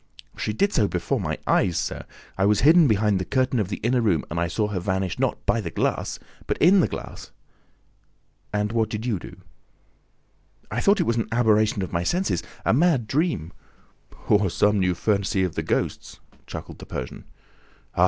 "She did so before my eyes, sir! I was hidden behind the curtain of the inner room and I saw her vanish not by the glass, but in the glass!" "And what did you do?" "I thought it was an aberration of my senses, a mad dream. "Or some new fancy of the ghost's!" chuckled the Persian. "Ah, M.